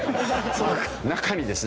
中にですね